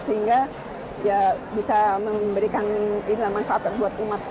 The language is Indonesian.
sehingga bisa memberikan manfaat buat umat